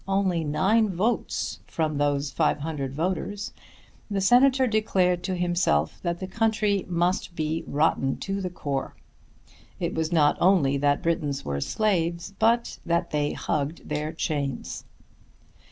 only nine votes from those 500 voters, the Senator declared to himself that the country must be rotten to the core. It was not only that Britons were slaves, but that they "hugged their chains."